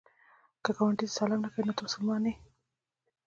که ګاونډي ته سلام نه کوې، نو ته څه مسلمان یې؟